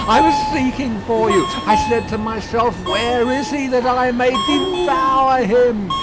I was seeking for you. I said to myself, 'Where is he, that I may devour him?'